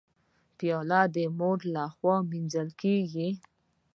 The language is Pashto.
پیاله د مور لخوا مینځل کېږي.